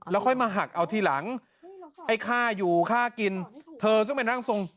แล้วค่อยมาหักเอาทีหลังไอ้ค่าอยู่ค่ากินเธอซึ่งเป็นร่างทรง